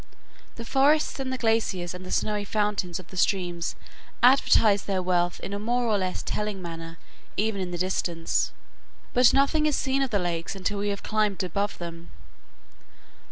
The forests and the glaciers and the snowy fountains of the streams advertise their wealth in a more or less telling manner even in the distance, but nothing is seen of the lakes until we have climbed above them.